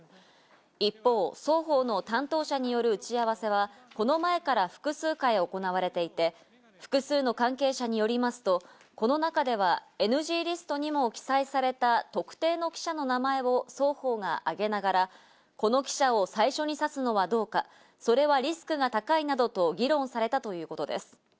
一方、双方の担当者による打ち合わせはこの前から複数回行われていて、複数の関係者によりますと、この中ではＮＧリストにも記載された、特定の記者の名前を双方が挙げながら、この記者を最初にさすのはどうか、それはリスクが高いなどと議論されたということです。